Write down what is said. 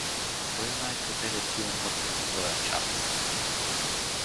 Кой знае къде лети умът му в тоя час.